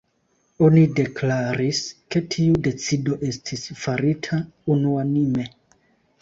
Oni deklaris, ke tiu decido estis farita unuanime.